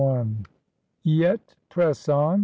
Yet press on